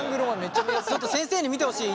ちょっと先生に見てほしい。